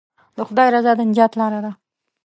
د خدای رضا د نجات لاره ده.